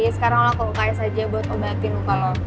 sekarang aku ke uks aja buat obatin muka lo